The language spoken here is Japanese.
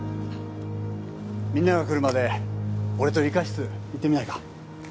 みんなが来るまで俺と理科室行ってみないか？